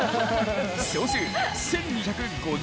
総数１２５０